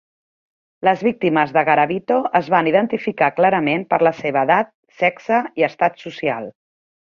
Les víctimes de Garavito es van identificar clarament per la seva edat, sexe i estat social.